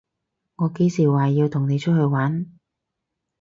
我幾時話過要同你出去玩？